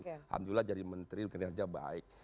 alhamdulillah jadi menteri kinerja baik